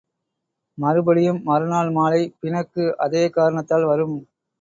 மறுபடியும் மறுநாள் மாலை பிணக்கு அதே காரணத்தால் வரும்.